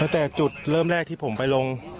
จุดเริ่มแรกที่ผมไปลง